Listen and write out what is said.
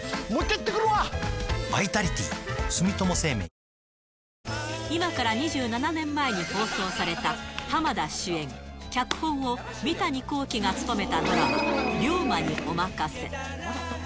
コリャ今から２７年前に放送された、浜田主演、脚本を三谷幸喜が務めたドラマ、竜馬におまかせ！